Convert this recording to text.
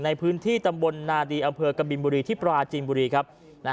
ในพื้นที่ตำบลนาดีอำเภอกบินบุรีที่ปราจีนบุรีครับ